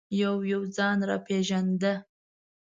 یو یو ځان را پېژانده.